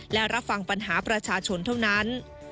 และรับฟังปัญหาประชาชนเท่านั้น